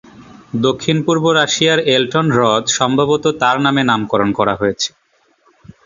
দক্ষিণ-পূর্ব রাশিয়ার এলটন হ্রদ সম্ভবত তার নামে নামকরণ করা হয়েছে।